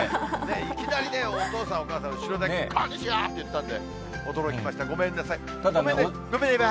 いきなりね、お父さん、お母さん、後ろでこんにちは！って言ったんで、驚きました、ごめんなさい。